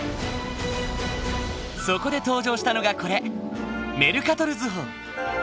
そこで登場したのがこれメルカトル図法。